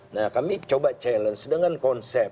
nah kami coba challenge dengan konsep